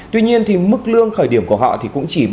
tuy nhiên thì mức lương khởi điểm của họ thì cũng chỉ